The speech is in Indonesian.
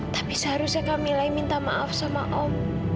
tapi seharusnya kamila yang minta maaf sama om